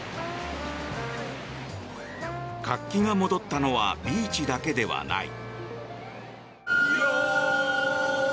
活気が戻ったのはビーチだけではない。